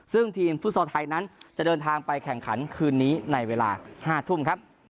ซึ่งทีมฟุตซอลไทยนั้นจะเดินทางไปแข่งขันคืนนี้ในเวลา๕ทุ่มครับ